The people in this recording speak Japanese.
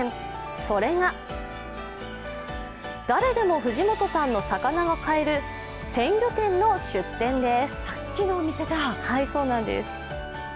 それが誰でも藤本さんの魚が買える鮮魚店の出店です。